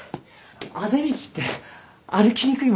あぜ道って歩きにくいものだね。